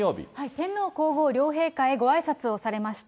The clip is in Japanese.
天皇皇后両陛下へごあいさつをされました。